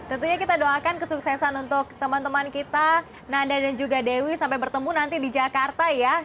tentunya kita doakan kesuksesan untuk teman teman kita nanda dan juga dewi sampai bertemu nanti di jakarta ya